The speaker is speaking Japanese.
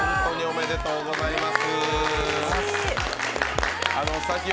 おめでとうございます！